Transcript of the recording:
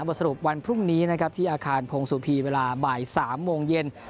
บันธุ์สรุปวันพรุ่งนี้ที่อาคารโพงสุพี่เวลาบ่าย๓โมงเย็น